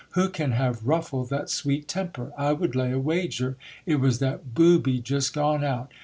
Who can have ruffled that sweet temper ? I would lay a wager, it was that booby just gone out."